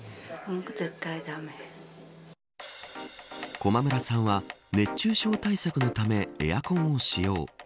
駒村さんは熱中症対策のためエアコンを使用。